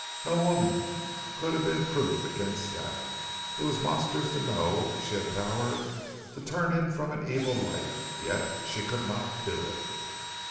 No woman could have been proof against that. It was monstrous to know that she had power to turn him from an evil life, yet she could not do it.